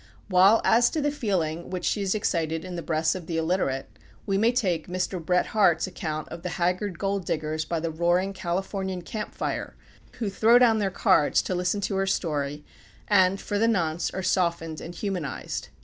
While as to the feeling which she has excited in the breasts of the illiterate, we may take Mr. Bret Harte's account of the haggard golddiggers by the roaring Californian camp fire, who throw down their cards to listen to her story, and, for the nonce, are softened and humanized.